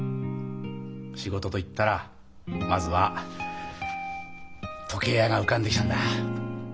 仕事と言ったらまずは時計屋が浮かんできたんだ。